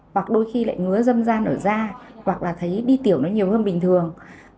hoặc đôi khi lại ngứa dâm gian ở da hoặc là thấy đi tiểu nhiều hơn bình thường